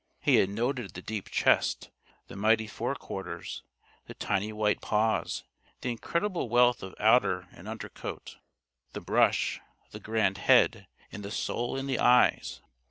He had noted the deep chest, the mighty forequarters, the tiny white paws, the incredible wealth of outer and under coat, the brush, the grand head, and the soul in the eyes.